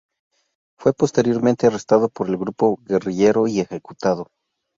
Fue posteriormente arrestado por el grupo guerrillero y ejecutado.